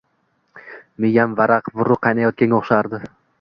Miyam varaqa-vuruq qaynayotganga o‘xshardi